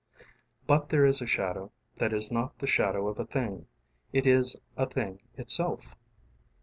┬Ā┬ĀBut there is a shadow ┬Ā┬Āthat is not the shadow of a thingŌĆ" ┬Ā┬Āit is a thing itself.